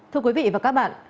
thưa quý vị và các bạn